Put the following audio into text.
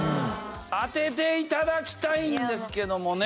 当てて頂きたいんですけどもね。